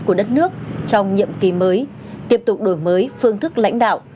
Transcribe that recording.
của đất nước trong nhiệm kỳ mới tiếp tục đổi mới phương thức lãnh đạo